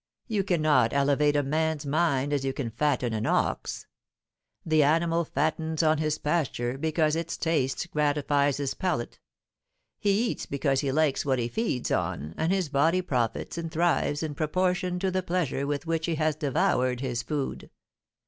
You cannot elevate a man's mind as you can fatten an ox. The animal fattens on his pasture because its taste gratifies his palate; he eats because he likes what he feeds on, and his body profits and thrives in proportion to the pleasure with which he has devoured his food.